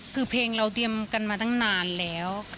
คือเพลงเราเตรียมกันมาตั้งนานแล้ว